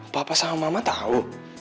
papa sama mama tau